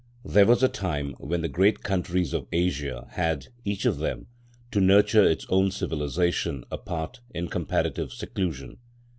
There was a time when the great countries of Asia had, each of them, to nurture its own civilisation apart in comparative seclusion.